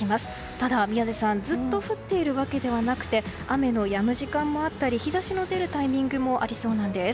ただ宮司さんずっと降っているわけではなくて雨のやむ時間もあったり日差しの出るタイミングもありそうなんです。